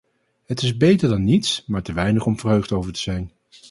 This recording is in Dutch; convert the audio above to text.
Het is beter dan niets, maar te weinig om verheugd over te zijn.